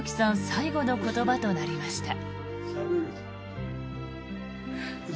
最期の言葉となりました。